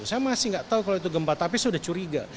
saya masih nggak tahu kalau itu gempa tapi sudah curiga